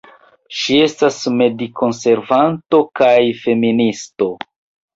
Ŝi estas medikonservanto kaj feministo.